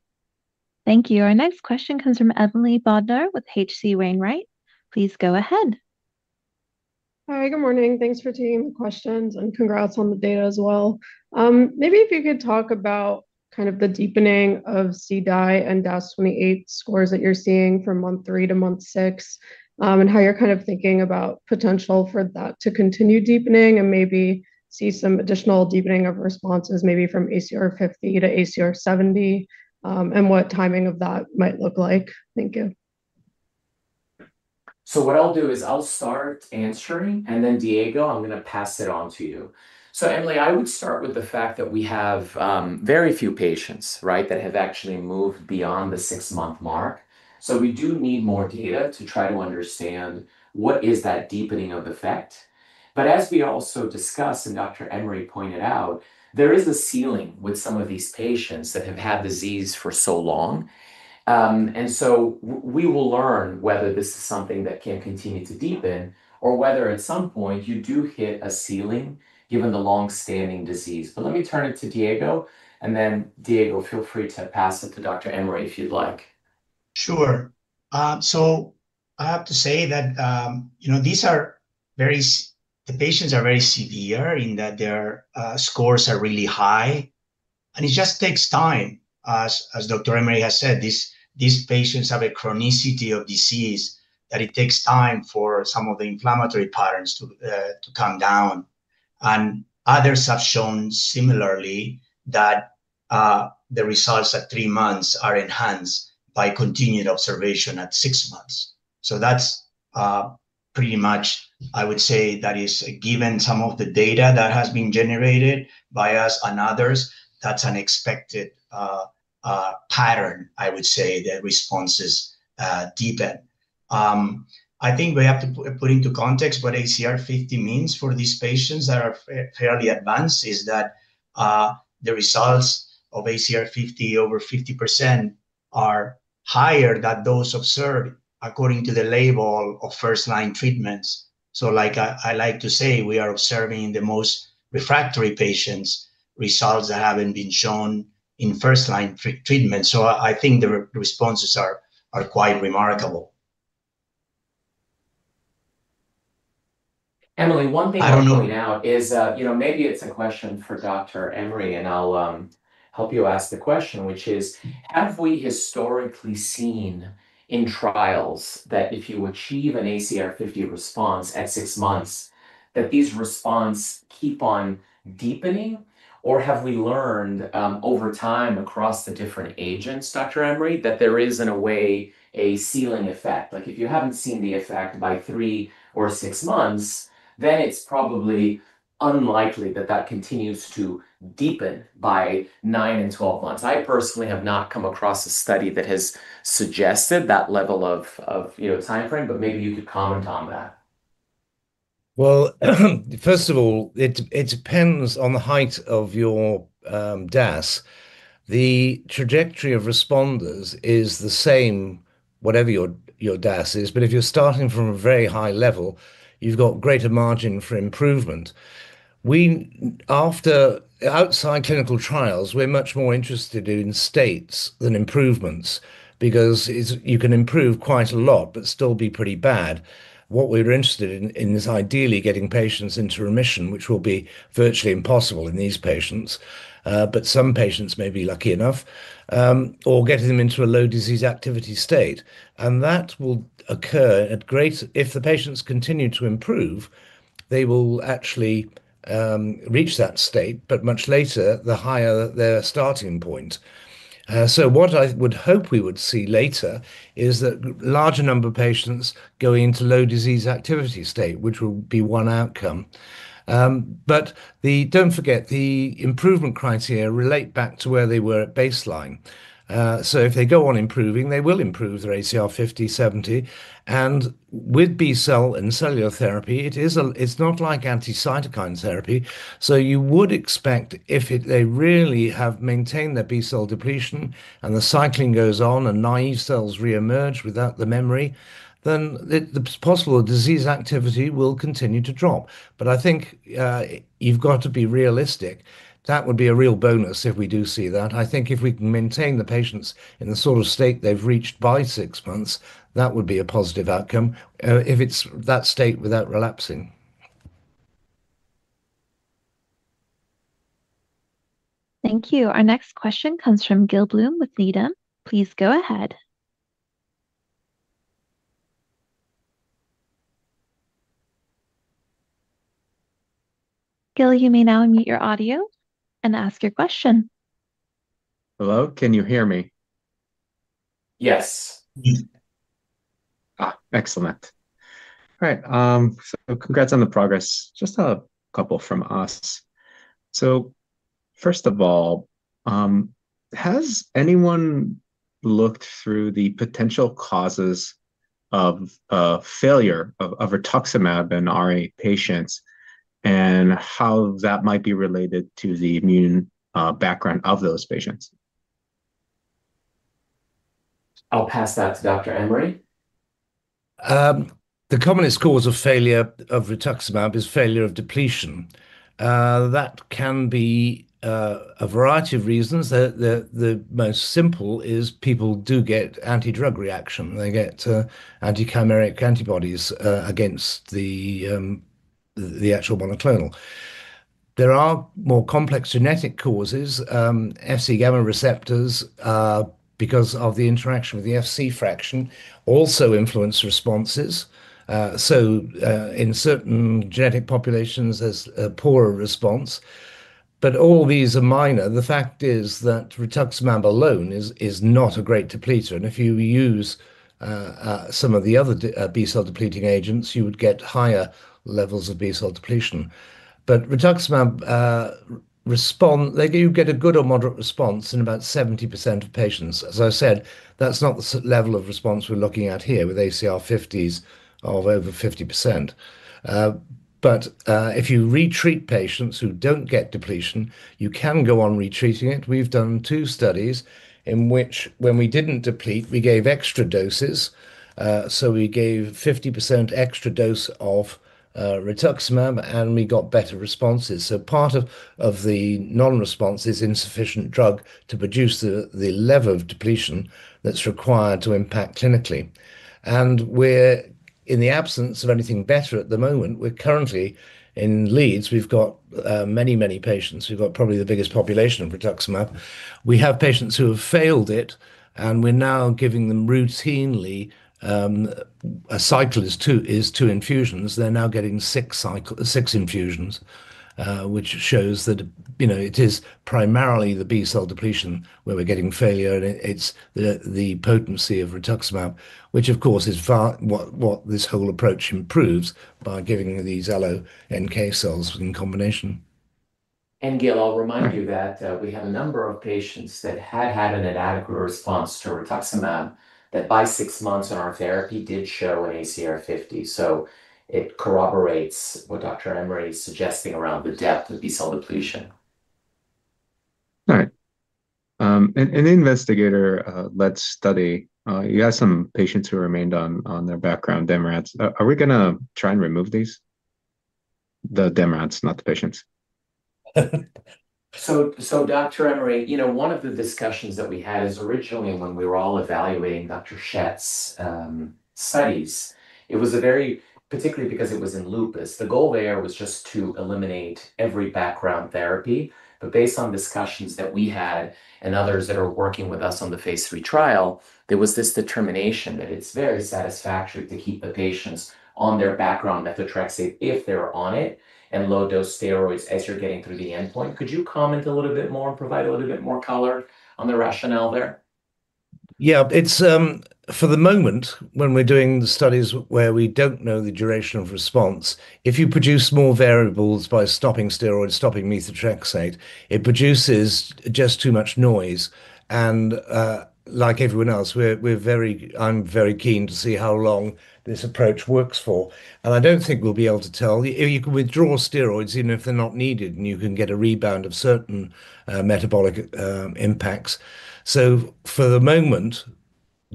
Thank you. Our next question comes from Emily Bodnar with H.C. Wainwright. Please go ahead. Hi. Good morning. Thanks for taking the questions. Congrats on the data as well. Maybe if you could talk about the deepening of CDAI and DAS28 scores that you're seeing from month three to month six, and how you're thinking about potential for that to continue deepening and maybe see some additional deepening of responses, maybe from ACR50 to ACR70, and what timing of that might look like. Thank you. What I'll do is I'll start answering, then Diego, I'm going to pass it on to you. Emily, I would start with the fact that we have very few patients that have actually moved beyond the six-month mark. We do need more data to try to understand what is that deepening of effect. As we also discussed, and Dr. Emery pointed out, there is a ceiling with some of these patients that have had disease for so long. We will learn whether this is something that can continue to deepen or whether, at some point, you do hit a ceiling given the longstanding disease. Let me turn it to Diego, then Diego, feel free to pass it to Dr. Emery if you'd like. Sure. I have to say that the patients are very severe in that their scores are really high. It just takes time. As Dr. Emery has said, these patients have a chronicity of disease that it takes time for some of the inflammatory patterns to come down. Others have shown similarly that the results at three months are enhanced by continued observation at six months. That's pretty much, I would say, that is given some of the data that has been generated by us and others, that's an expected pattern, I would say, that responses deepen. I think we have to put into context what ACR50 means for these patients that are fairly advanced is that the results of ACR50 over 50% are higher than those observed according to the label of first-line treatments. I like to say we are observing the most refractory patients results that haven't been shown in first-line treatment. I think the responses are quite remarkable. Emily, one thing I'll point out is, maybe it's a question for Dr. Emery, and I'll help you ask the question, which is, have we historically seen in trials that if you achieve an ACR50 response at six months, that these response keep on deepening? Have we learned, over time, across the different agents, Dr. Emery, that there is, in a way, a ceiling effect? Like if you haven't seen the effect by three or six months, then it's probably unlikely that that continues to deepen by nine and 12 months. I personally have not come across a study that has suggested that level of timeframe, maybe you could comment on that. First of all, it depends on the height of your DAS. The trajectory of responders is the same whatever your DAS is. If you're starting from a very high level, you've got greater margin for improvement. Outside clinical trials, we're much more interested in states than improvements, because you can improve quite a lot but still be pretty bad. What we're interested in is ideally getting patients into remission, which will be virtually impossible in these patients. Some patients may be lucky enough. Getting them into a low disease activity state. If the patients continue to improve, they will actually reach that state, but much later the higher their starting point. What I would hope we would see later is that larger number of patients go into low disease activity state, which will be one outcome. Don't forget, the improvement criteria relate back to where they were at baseline. If they go on improving, they will improve their ACR50/70, and with B-cell and cellular therapy, it's not like anti-cytokine therapy. You would expect if they really have maintained their B-cell depletion and the cycling goes on and naive cells reemerge without the memory, then the possible disease activity will continue to drop. I think you've got to be realistic. That would be a real bonus if we do see that. I think if we can maintain the patients in the sort of state they've reached by six months, that would be a positive outcome, if it's that state without relapsing. Thank you. Our next question comes from Gil Blum with Needham. Please go ahead. Gil, you may now unmute your audio and ask your question. Hello, can you hear me? Yes. Excellent. All right. Congrats on the progress. Just a couple from us. First of all, has anyone looked through the potential causes of failure of rituximab in RA patients and how that might be related to the immune background of those patients? I'll pass that to Dr. Emery. The commonest cause of failure of rituximab is failure of depletion. That can be a variety of reasons. The most simple is people do get anti-drug reaction. They get anti-chimeric antibodies against the actual monoclonal. There are more complex genetic causes. Fc gamma receptors, because of the interaction with the Fc fraction, also influence responses. In certain genetic populations, there's a poorer response, but all these are minor. The fact is that rituximab alone is not a great depleter, and if you use some of the other B-cell depleting agents, you would get higher levels of B-cell depletion. Rituximab, you get a good or moderate response in about 70% of patients. As I said, that's not the level of response we're looking at here with ACR50s of over 50%. If you re-treat patients who don't get depletion, you can go on re-treating it. We've done two studies in which when we didn't deplete, we gave extra doses. We gave 50% extra dose of rituximab, and we got better responses. Part of the non-response is insufficient drug to produce the level of depletion that's required to impact clinically. In the absence of anything better at the moment, we're currently in Leeds. We've got many, many patients. We've got probably the biggest population of rituximab. We have patients who have failed it, and we're now giving them routinely, a cycle is two infusions. They're now getting six infusions, which shows that it is primarily the B-cell depletion where we're getting failure, and it's the potency of rituximab, which, of course, is what this whole approach improves by giving these AlloNK cells in combination. Gil, I'll remind you that we had a number of patients that had had an inadequate response to rituximab that by six months on our therapy did show an ACR50. It corroborates what Dr. Emery's suggesting around the depth of B-cell depletion. All right. In the investigator [basket] study, you had some patients who remained on their background DMARDs. Are we going to try and remove these? The DMARDs, not the patients. Dr. Emery, one of the discussions that we had is originally when we were all evaluating Dr. Schett's studies, particularly because it was in lupus, the goal there was just to eliminate every background therapy. Based on discussions that we had and others that are working with us on the phase III trial, there was this determination that it's very satisfactory to keep the patients on their background methotrexate if they're on it and low-dose steroids as you're getting through the endpoint. Could you comment a little bit more and provide a little bit more color on the rationale there? Yeah. For the moment, when we're doing the studies where we don't know the duration of response, if you produce more variables by stopping steroids, stopping methotrexate, it produces just too much noise. Like everyone else, I'm very keen to see how long this approach works for, and I don't think we'll be able to tell. You can withdraw steroids even if they're not needed, and you can get a rebound of certain metabolic impacts. For the moment,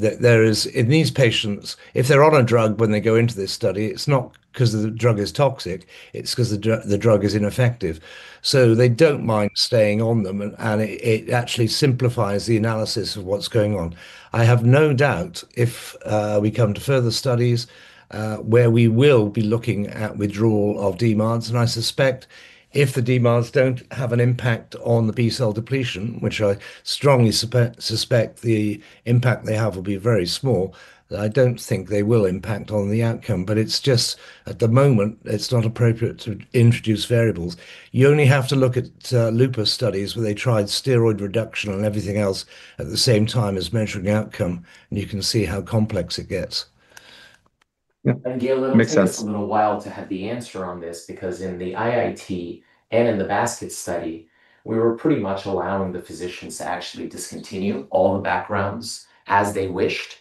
in these patients, if they're on a drug when they go into this study, it's not because the drug is toxic, it's because the drug is ineffective. They don't mind staying on them, and it actually simplifies the analysis of what's going on. I have no doubt if we come to further studies where we will be looking at withdrawal of DMARDs. I suspect if the DMARDs don't have an impact on the B-cell depletion, which I strongly suspect the impact they have will be very small, that I don't think they will impact on the outcome. At the moment, it's not appropriate to introduce variables. You only have to look at lupus studies where they tried steroid reduction and everything else at the same time as measuring the outcome. You can see how complex it gets. Gil, it takes us a little while to have the answer on this because in the IIT and in the basket study, we were pretty much allowing the physicians to actually discontinue all the backgrounds as they wished.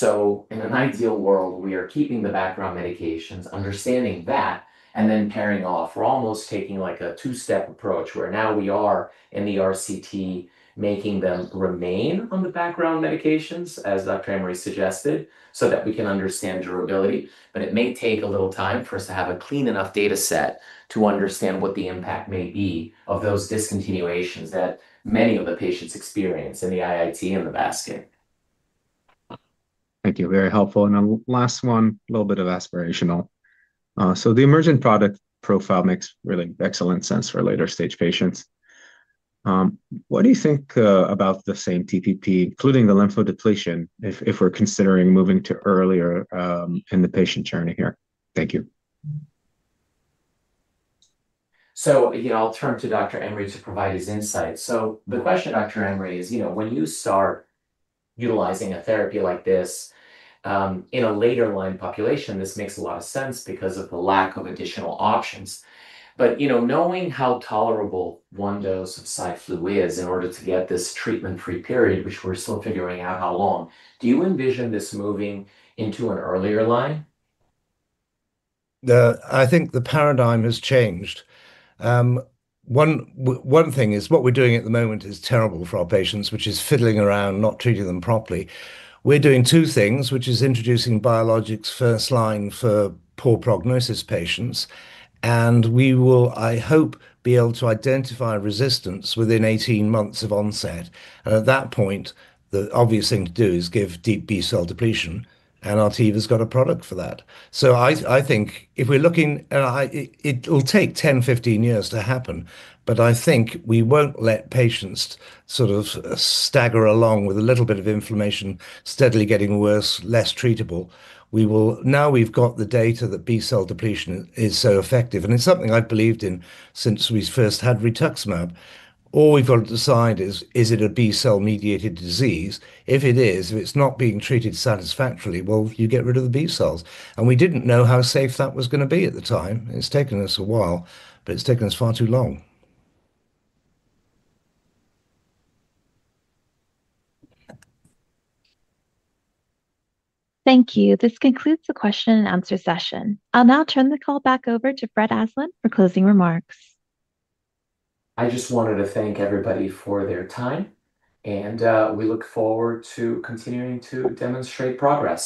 In an ideal world, we are keeping the background medications, understanding that, and then pairing off. We're almost taking a two-step approach where now we are in the RCT making them remain on the background medications, as Dr. Emery suggested, so that we can understand durability. It may take a little time for us to have a clean enough data set to understand what the impact may be of those discontinuations that many of the patients experience in the IIT and the basket. Thank you. Very helpful. Last one, a little bit of aspirational. The emerging product profile makes really excellent sense for later-stage patients. What do you think about the same TPP, including the lymphodepletion, if we're considering moving to earlier in the patient journey here? Thank you. Again, I'll turn to Dr. Emery to provide his insight. The question, Dr. Emery, is when you start utilizing a therapy like this in a later-line population, this makes a lot of sense because of the lack of additional options. Knowing how tolerable one dose of Cy/Flu is in order to get this treatment-free period, which we're still figuring out how long, do you envision this moving into an earlier line? I think the paradigm has changed. One thing is what we're doing at the moment is terrible for our patients, which is fiddling around and not treating them properly. We're doing two things, which is introducing biologics first line for poor prognosis patients. We will, I hope, be able to identify resistance within 18 months of onset. At that point, the obvious thing to do is give deep B-cell depletion, and Artiva's got a product for that. It'll take 10, 15 years to happen. I think we won't let patients sort of stagger along with a little bit of inflammation, steadily getting worse, less treatable. Now we've got the data that B-cell depletion is so effective, and it's something I've believed in since we first had rituximab. All we've got to decide is it a B-cell-mediated disease? If it is, if it's not being treated satisfactorily, well, you get rid of the B-cells. We didn't know how safe that was going to be at the time. It's taken us a while. It's taken us far too long. Thank you. This concludes the question and answer session. I'll now turn the call back over to Fred Aslan for closing remarks. I just wanted to thank everybody for their time. We look forward to continuing to demonstrate progress.